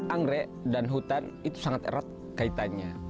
anggrek dan hutan itu sangat erat kaitannya